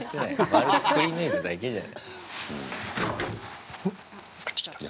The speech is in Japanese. まるく、くりぬいただけじゃない。